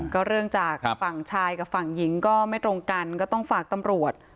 ก็เรื่องจากฝั่งชายกับฝั่งหญิงก็ไม่ตรงกันก็ต้องฝากตำรวจ